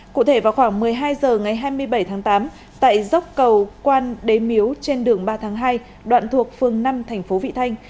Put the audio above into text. cụ thể vào khoảng một mươi hai h ngày hai mươi bảy tháng tám tại dốc cầu quan đế miếu trên đường ba tháng hai đoạn thuộc phường năm thành phố vị thanh